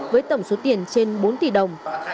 với tổng số tiền trên bốn tỷ đồng